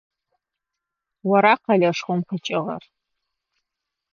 Ора къэлэшхом къикӏыгъэр?